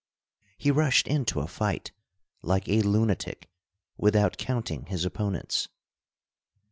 He rushed into a fight like a lunatic, without counting his opponents.